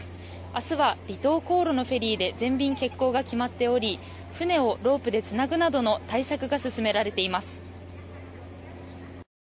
明日は離島航路のフェリーで全便欠航が決まっており船をロープでつなぐなどの対策が進められています。